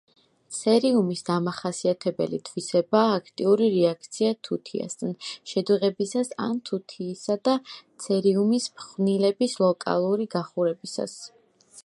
ცერიუმის დამახასიათებელი თვისებაა აქტიური რეაქცია თუთიასთან შედუღებისას ან თუთიისა და ცერიუმის ფხვნილების ლოკალური გახურებისას.